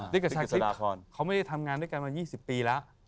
ติ๊กและชัคฤฟเค้าไม่ได้ทำงานด้วยกันมา๒๐ปีแล้ว